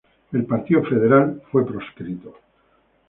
El partido federal fue proscrito.